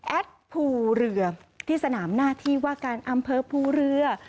ภูเรือที่สนามหน้าที่ว่าการอำเภอภูเรือ